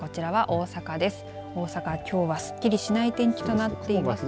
大阪はきょうはすっきりしない天気となっています。